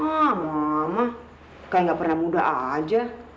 ah mama kayak nggak pernah muda aja